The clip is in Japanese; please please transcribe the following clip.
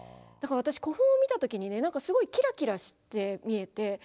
だから私古墳を見た時にね何かすごいキラキラして見えて。